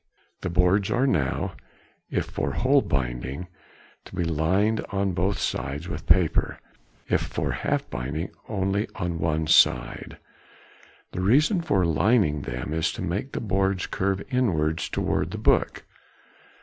The boards are now, if for whole binding, to be lined on both sides with paper; if for half binding only on one side. The reason for lining them is to make the boards curve inwards towards the book.